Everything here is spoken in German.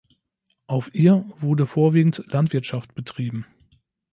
Auf ihr wurde vorwiegend Landwirtschaft betrieben.